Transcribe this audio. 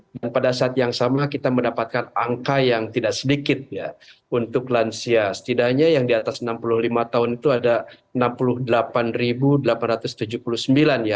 dan pada saat yang sama kita mendapatkan angka yang tidak sedikit untuk lansia setidaknya yang di atas enam puluh lima tahun itu ada enam puluh delapan delapan ratus tujuh puluh sembilan